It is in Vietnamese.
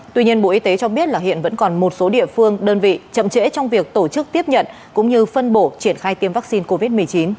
tuy nhiên bộ y tế cho biết là hiện vẫn còn một số địa phương đơn vị chậm trễ trong việc tổ chức tiếp nhận cũng như phân bổ triển khai tiêm vaccine covid một mươi chín